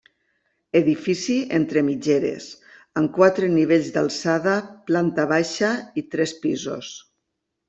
Edifici entre mitgeres, amb quatre nivells d'alçada, planta baixa i tres pisos.